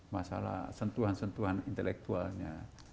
masalah sentuhan sentuhan intelektualnya